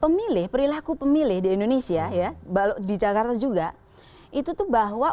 menunjukkan bahwa berpilihan pemilih di indonesia di jakarta juga itu tuh bahwa